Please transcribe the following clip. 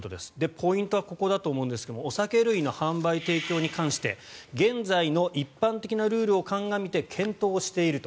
ポイントはここだと思いますがお酒類の販売提供に関して現在の一般的なルールを鑑みて検討をしていると。